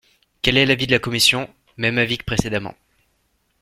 Quel est l’avis de la commission ? Même avis que précédemment.